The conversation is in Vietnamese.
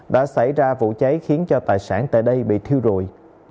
đã xảy ra vụ cháy khiến cho tài sản tại đây bị thiêu rụi